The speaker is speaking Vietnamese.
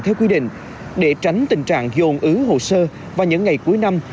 theo quy định để tránh tình trạng dồn ứ hồ sơ vào những ngày cuối năm